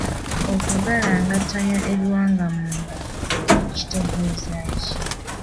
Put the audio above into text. Okugalangatanya ebiwanga mu ngalo" kitegeeza ki?